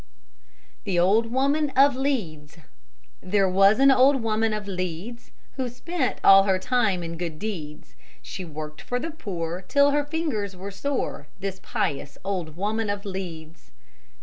THE OLD WOMAN OF LEEDS There was an old woman of Leeds, Who spent all her time in good deeds; She worked for the poor Till her fingers were sore, This pious old woman of Leeds!